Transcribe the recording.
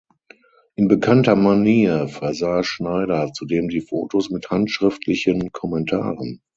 In bekannter Manier versah Schneider zudem die Fotos mit handschriftlichen Kommentaren.